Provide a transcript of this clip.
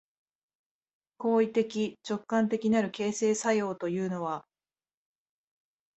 行為的直観的なる形成作用というのは、